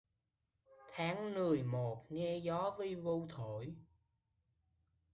Tháng nười một nghe gió vi vu thổi